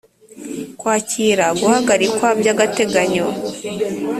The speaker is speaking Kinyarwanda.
kwakira guhagarikwa by’agateganyo